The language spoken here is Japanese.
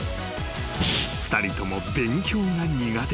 ［２人とも勉強が苦手］